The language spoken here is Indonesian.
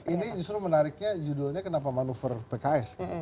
ini justru menariknya judulnya kenapa manuver pks